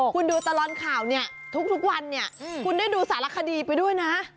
คุณดูตลอดข่าวทุกวันคุณได้ดูสารคดีไปด้วยนะ